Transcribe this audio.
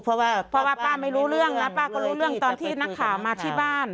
เพราะว่าเพราะว่าป้าไม่รู้เรื่องนะป้าก็รู้เรื่องตอนที่นักข่าวมาที่บ้าน